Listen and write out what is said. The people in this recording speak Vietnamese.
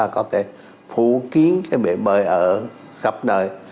có thể phủ kiến cái bể bơi ở khắp nơi